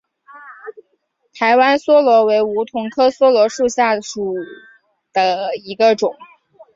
台湾梭罗为梧桐科梭罗树属下的一个种。